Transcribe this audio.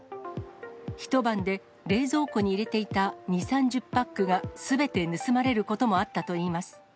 一晩で冷蔵庫に入れていた２、３０パックがすべて盗まれることもあったといいます。